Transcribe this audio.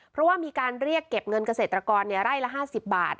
เพราะว่ามีการเรียกเก็บเงินเกษตรกรไร่ละ๕๐บาท